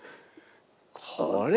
これ。